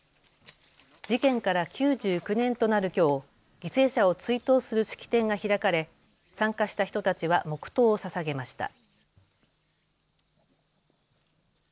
事件から９９年となるきょう、犠牲者を追悼する式典が開かれ参加した人たちは黙とうをささげました。